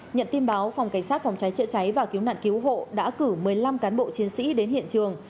nhận tin báo phòng cảnh sát phòng cháy chữa cháy và cứu nạn cứu hộ đã cử một mươi năm cán bộ chiến sĩ đến hiện trường